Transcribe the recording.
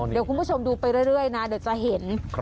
เดี๋ยวคุณผู้ชมดูไปเรื่อยนะเดี๋ยวจะเห็น